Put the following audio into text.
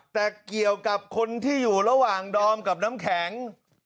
แต่เกี่ยวกับคนที่อยู่ระหว่างดอมกับน้ำแข็ง